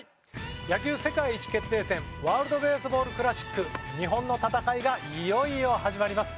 野球世界一決定戦ワールド・ベースボール・クラシック日本の戦いがいよいよ始まります。